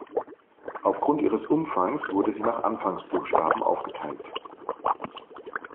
Aufgrund ihres Umfangs wurde sie nach Anfangsbuchstaben aufgeteilt.